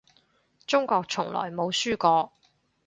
中國從來冇輸過